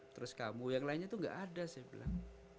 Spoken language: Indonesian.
terus kamu yang lainnya itu gak ada saya bilang